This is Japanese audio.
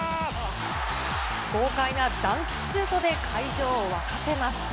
豪快なダンクシュートで会場を沸かせます。